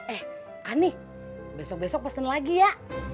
eh ani besok besok pesen lagi ya